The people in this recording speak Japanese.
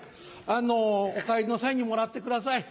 お帰りの際にもらってください。